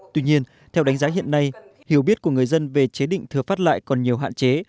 tuy nhiên theo đánh giá hiện nay hiểu biết của người dân về chế định thừa phát lại còn nhiều hạn chế